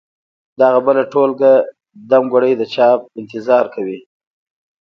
دغه بله ټولګه دمګړۍ د چاپ انتظار کوي.